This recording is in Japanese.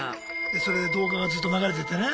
それで動画がずっと流れててね。